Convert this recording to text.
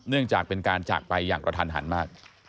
เนื่องจากเป็นการจากไปอย่างกระทันหันมาก